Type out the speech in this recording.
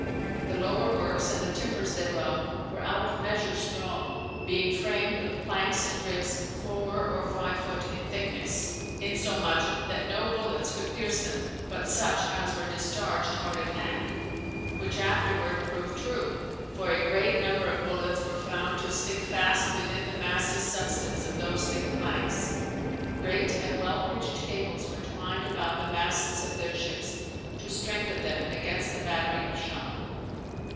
The lower works and the timbers thereof were out of measure strong, being framed of plankes and ribs fours or five foote in thicknesse, insomuch that no bullets could pierce them, but such as were discharged hard at hand; which afterward prooved true, for a great number of bullets were found to sticke fast within the massie substance of those thicke plankes. Great and well pitched cables were twined about the masts of their shippes, to strengthen them against the battery of shot.